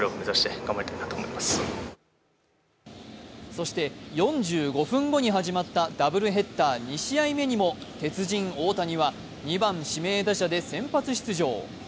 そして、４５分後に始まったダブルヘッダー２試合目にも鉄人・大谷は２番・指名打者で先発出場。